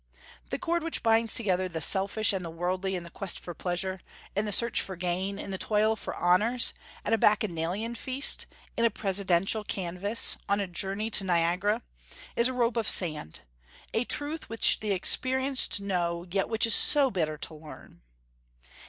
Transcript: The cord which binds together the selfish and the worldly in the quest for pleasure, in the search for gain, in the toil for honors, at a bacchanalian feast, in a Presidential canvass, on a journey to Niagara, is a rope of sand; a truth which the experienced know, yet which is so bitter to learn.